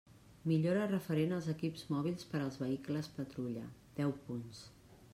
Millora referent als equips mòbils per als vehicles patrulla: deu punts.